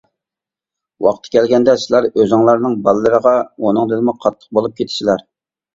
ۋاقتى كەلگەندە سىلەر ئۆزۈڭلارنىڭ بالىلىرىغا ئۇنىڭدىنمۇ قاتتىق بولۇپ كېتىسىلەر.